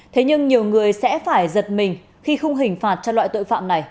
thế nhưng nhiều người sẽ phải giật mình khi khung hình phạt cho loại tội phạm này